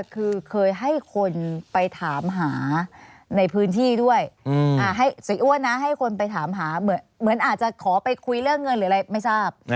คือเคยให้คนไปถามหาในพื้นที่ด้วยให้เสียอ้วนนะให้คนไปถามหาเหมือนอาจจะขอไปคุยเรื่องเงินหรืออะไรไม่ทราบ